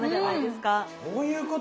そういうこと？